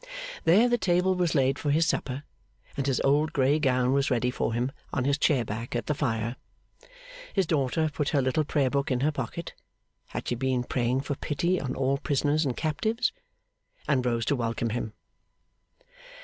There, the table was laid for his supper, and his old grey gown was ready for him on his chair back at the fire. His daughter put her little prayer book in her pocket had she been praying for pity on all prisoners and captives! and rose to welcome him.